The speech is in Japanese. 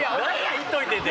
行っといてって。